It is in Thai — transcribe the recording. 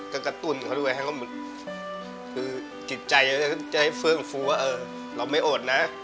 ก็กระตุ้นเขาด้วยให้เขาเหมือนคือจิตใจจะให้เฟื่องฟูว่าเออเราไม่โอดนะ